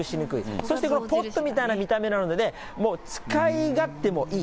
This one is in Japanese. そしてこのポットみたいな見た目なので、もう使い勝手もいい。